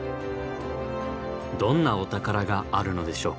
どんなお宝があるのでしょうか？